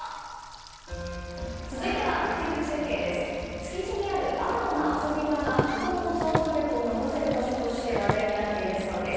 築地にあるアートな遊び場が子供の想像力を伸ばせる場所として話題になっているそうです。